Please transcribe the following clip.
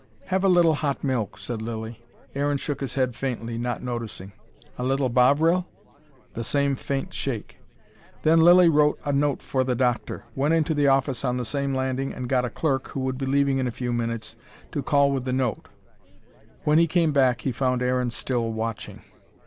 "Have a little hot milk," said Lilly. Aaron shook his head faintly, not noticing. "A little Bovril?" The same faint shake. Then Lilly wrote a note for the doctor, went into the office on the same landing, and got a clerk, who would be leaving in a few minutes, to call with the note. When he came back he found Aaron still watching.